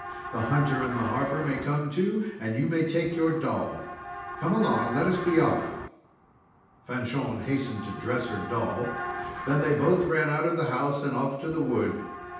The hunter and the harper may come, too. And you may take your doll. Come along! Let's be off!" Fanchon hastened to dress her doll, then they both ran out of the house, and off to the wood.